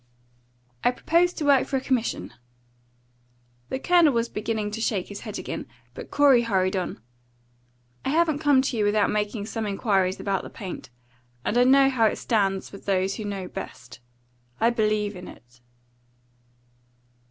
"I propose to work for a commission." The Colonel was beginning to shake his head again, but Corey hurried on. "I haven't come to you without making some inquiries about the paint, and I know how it stands with those who know best. I believe in it."